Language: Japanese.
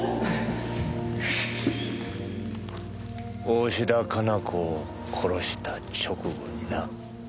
大信田加奈子を殺した直後にな。